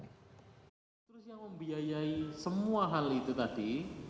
terus yang membiayai semua hal itu tadi